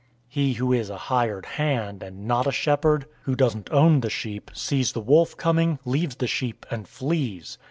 010:012 He who is a hired hand, and not a shepherd, who doesn't own the sheep, sees the wolf coming, leaves the sheep, and flees.